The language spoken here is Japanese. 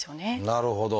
なるほど。